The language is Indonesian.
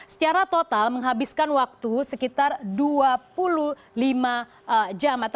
secara total menghabiskan waktu sekitar dua puluh lima jam